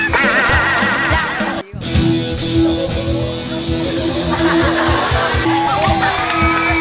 ซะแมม